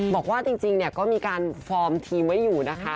บอกว่าจริงเนี่ยก็มีการฟอร์มทีมไว้อยู่นะคะ